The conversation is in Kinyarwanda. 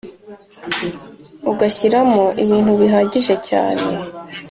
ugashyiramo ibintu bihagije cyane